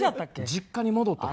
実家に戻ったら。